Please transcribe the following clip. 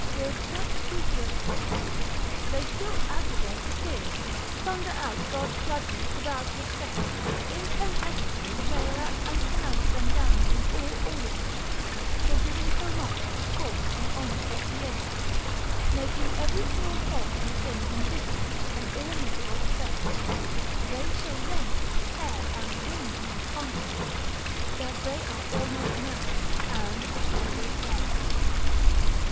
with such scrupulous points, they still aggravate sin, thunder out God's judgments without respect, intempestively rail at and pronounce them damned in all auditories, for giving so much to sports and honest recreations, making every small fault and thing indifferent an irremissible offence, they so rent, tear and wound men's consciences, that they are almost mad, and at their wits' end.